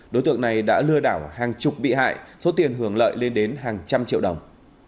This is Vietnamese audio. đối tượng này đã lừa đảo hàng chục bị hại số tiền hưởng lợi lên đến hàng trăm triệu đồng